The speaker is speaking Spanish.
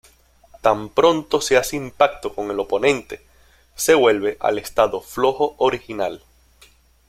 Tan pronto se hace impacto con el oponente se vuelve al estado flojo original.